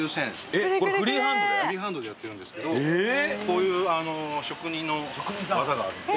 フリーハンドでやってるんですけどこういう職人の技がある。